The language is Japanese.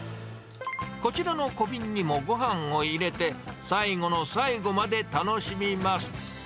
こちらの小瓶にもごはんを入れて、最後の最後まで楽しみます。